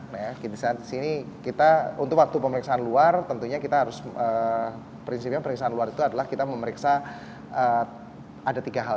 nah di sini kita untuk waktu pemeriksaan luar tentunya kita harus prinsipnya pemeriksaan luar itu adalah kita memeriksa ada tiga hal